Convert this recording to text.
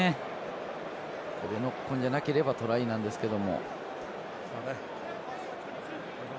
これでノックオンじゃなければトライなんですけど。